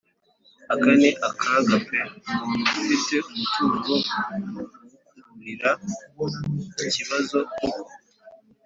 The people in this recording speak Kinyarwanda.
aka ni akaga pe! umuntu ufite umutungo umukururira ikibazo koko?